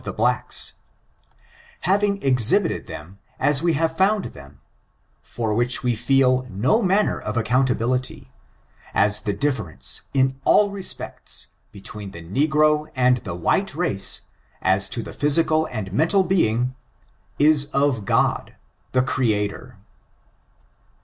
426 tl)e blacks ; having exhibited them as we have found tiiem, for which we feel no manner of accountability, as the difference, in all respects, between the negro and the white race, as to the physical and mental being, is of God, the Creator.